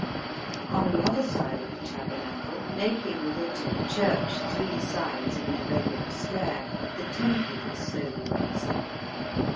On the other side of the Tabernacle, making with it and the church three sides of an irregular square, the Temple is slowly rising.